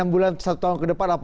enam bulan satu tahun ke depan